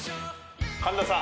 神田さん。